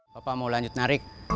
bapak mau lanjut narik